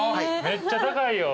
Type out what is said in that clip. めっちゃ高いよ。